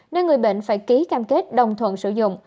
nên người bệnh phải ký cam kết đồng thuận sử dụng